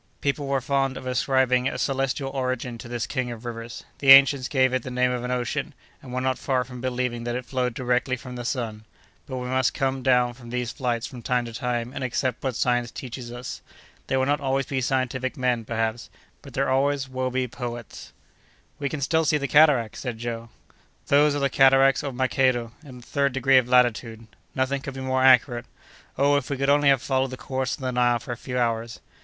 People were fond of ascribing a celestial origin to this king of rivers. The ancients gave it the name of an ocean, and were not far from believing that it flowed directly from the sun; but we must come down from these flights from time to time, and accept what science teaches us. There will not always be scientific men, perhaps; but there always will be poets." "We can still see cataracts," said Joe. "Those are the cataracts of Makedo, in the third degree of latitude. Nothing could be more accurate. Oh, if we could only have followed the course of the Nile for a few hours!"